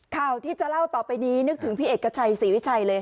ข่าวที่จะเล่าต่อไปนี้นึกถึงพี่เอกชัยศรีวิชัยเลย